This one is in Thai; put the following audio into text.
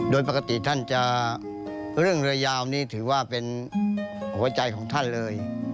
โดยปกติท่านจะเรื่องเรือยาวนี่ถือว่าเป็นหัวใจของท่านเลย